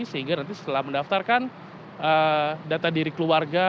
sehingga nanti setelah mendaftarkan data diri keluarga